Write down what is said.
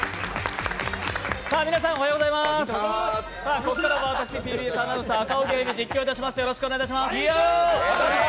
ここからは私、ＴＢＳアナウンサー・赤荻歩が実況いたします。